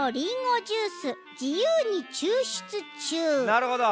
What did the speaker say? なるほど。